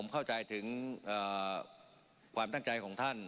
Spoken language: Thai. เข้าใจถึงความตั้งใจของท่าน